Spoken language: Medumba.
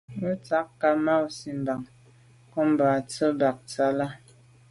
Me tshag nka’ ma’ nsi mban kum ba’ z’a ba tsha là.